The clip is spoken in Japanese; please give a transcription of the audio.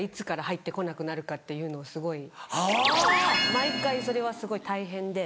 毎回それはすごい大変で。